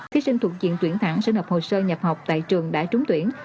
thí sinh thuộc diện tuyển thẳng sẽ nộp hồ sơ nhập học tại trường đã trúng tuyển